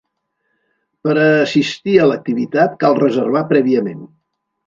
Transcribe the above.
Per a assistir a l’activitat cal reservar prèviament.